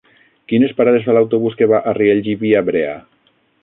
Quines parades fa l'autobús que va a Riells i Viabrea?